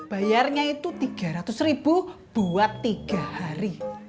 bayarnya itu tiga ratus ribu buat tiga hari